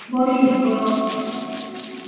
Doriño kue ote.